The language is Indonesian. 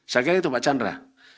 sekian itu pak chandra